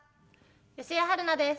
吉江晴菜です。